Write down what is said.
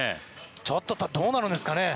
ちょっとどうなるんですかね。